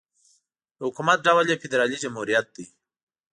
د حکومت ډول یې فدرالي جمهوريت دی.